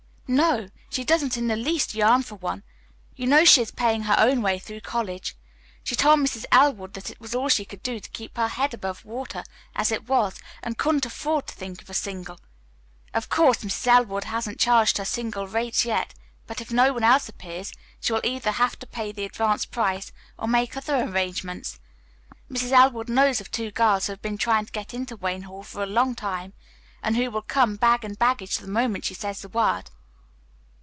"No, she doesn't in the least yearn for one. You know she is paying her own way through college. She told Mrs. Elwood that it was all she could do to keep her head above water as it was and couldn't afford to think of a single. Of course, Mrs. Elwood hasn't charged her single rates yet, but if no one else appears she will either have to pay the advanced price or make other arrangements. Mrs. Elwood knows of two girls who have been trying to get into Wayne Hall for a long time, and who will come bag and baggage the moment she says the word."